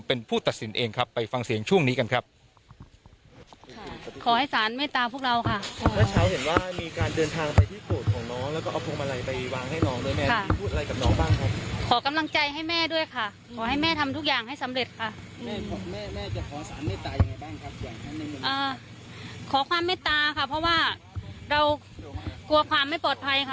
เพราะว่าเรากลัวความไม่ปลอดภัยค่ะ